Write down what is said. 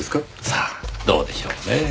さあどうでしょうねぇ。